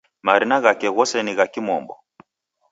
Marina ghake ghose ni gha kimombo